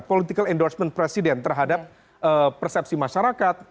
political endorsement presiden terhadap persepsi masyarakat